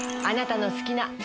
あなたの好きな。